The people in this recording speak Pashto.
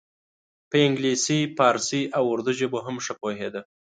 په انګلیسي پارسي او اردو ژبو هم ښه پوهیده.